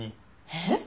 えっ？